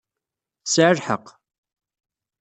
Tesɛa lḥeqq.